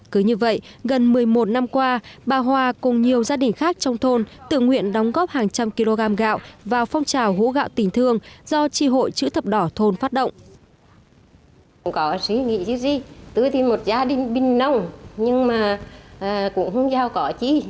cứ như vậy gần một mươi một năm qua bà hòa cùng nhiều gia đình khác trong thôn tự nguyện đóng góp hàng trăm kg gạo vào phong trào hũ gạo